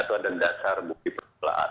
itu ada dasar bukti permulaan